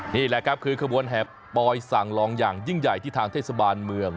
นี่แหละครับคือขบวนแหบปอยสั่งลองอย่างยิ่งใหญ่ที่ทางเทศบาลเมือง